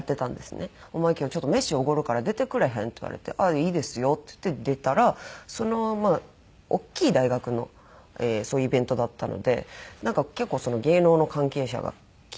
「お前今日飯おごるから出てくれへん？」って言われて「いいですよ」って言って出たらそのまあ大きい大学のそういうイベントだったのでなんか結構芸能の関係者が来てて。